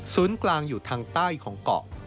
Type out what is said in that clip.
ศูนย์กลางอยู่ทางใต้ของเกาะ